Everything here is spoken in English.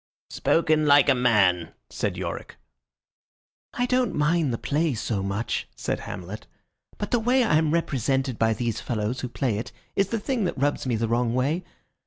"Spoken like a man," said Yorick. "I don't mind the play so much," said Hamlet, "but the way I'm represented by these fellows who play it is the thing that rubs me the wrong way.